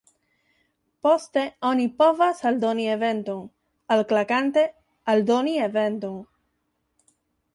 Poste oni povas aldoni eventon, alklakante 'Aldoni eventon'.